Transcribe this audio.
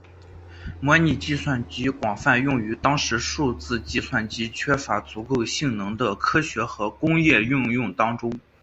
模拟计算机广泛用于当时数字计算机缺乏足够性能的科学和工业应用中。